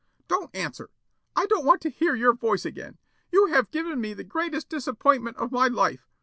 Don't answer! I don't want to hear your voice again. You have given me the greatest disappointment of my life.